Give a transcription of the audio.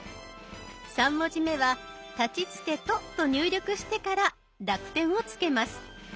３文字目は「たちつてと」と入力してから濁点をつけます。